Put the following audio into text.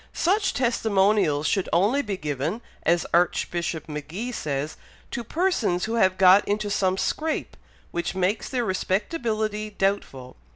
Such testimonials should only be given, as Archbishop Magee says, to persons who have got into some scrape, which makes their respectability doubtful.